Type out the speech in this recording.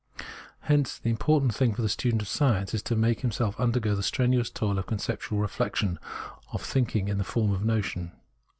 Hence the important thing for the student of science is to make himself undergo the strenuous toil of conceptual I'eflection, of thinking in the form of the notion.